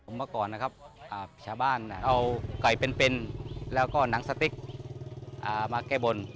เมื่อก่อนนะครับชาวบ้านเอาไก่เป็นแล้วก็หนังสติ๊กมาแก้บน